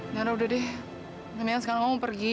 nara udah deh kenapa sekarang kamu pergi